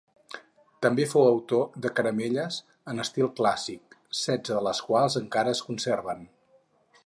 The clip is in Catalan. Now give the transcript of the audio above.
També fou autor de caramelles, en estil clàssic, setze de les quals encara es conserven.